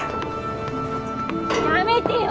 やめてよ！